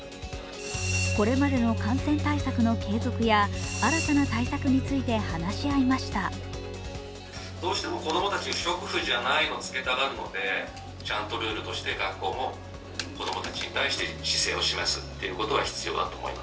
これまでの感染対策の継続や新たな対策について話し合われました。